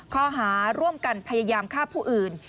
ข้อหาร่วมกันพยายามฆ่าผู้อื่น